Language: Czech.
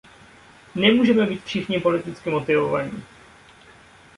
Nemůžeme být všichni politicky motivovaní.